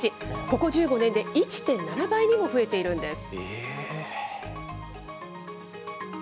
ここ１５年で１．７倍にも増えているんです。